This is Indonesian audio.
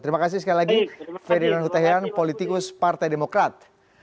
terima kasih sekali lagi fede nen huteheyan politikus partai demokrat